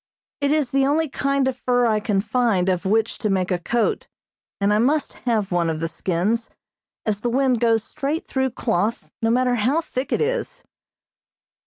It is the only kind of fur I can find of which to make a coat, and I must have one of skins, as the wind goes straight through cloth, no matter how thick it is.